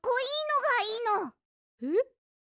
えっ？